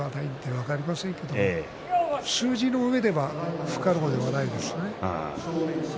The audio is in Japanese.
私は審判でないので分かりませんけれども数字のうえでは不可能ではないですね。